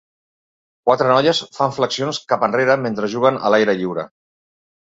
Quatre noies fan flexions cap enrere mentre juguen a l'aire lliure.